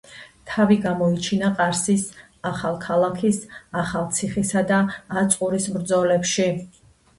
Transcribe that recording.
თავი გამოიჩინა ყარსის, ახალქალაქის, ახალციხისა და აწყურის ბრძოლებში.